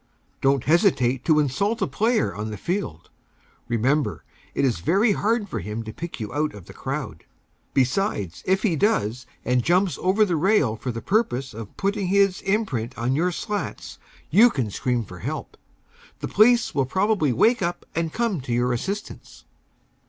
Don't hesitate to insult a player on the field. Remember, it is very hard for him to pick you out of the crowd. Besides, if he does, and jumps over the rail for the purpose of putting his imprint on your slats, you can scream for help. The police will probably wake up and come to your assistance.